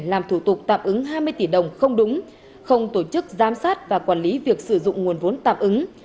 làm thủ tục tạm ứng hai mươi tỷ đồng không đúng không tổ chức giám sát và quản lý việc sử dụng nguồn vốn tạm ứng